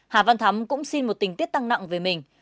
hà văn thắm cũng xin một tình tiết tăng nặng về mình